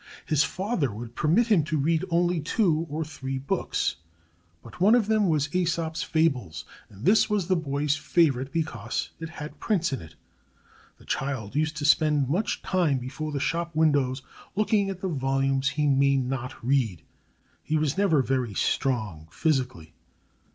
His father would permit him to read only two or three books; but one of them was Æsop's Fables, and this was the boy's favorite, because it had prints in it. The child used to spend much time before the shop windows looking at the volumes he might not read. He was never very strong physically.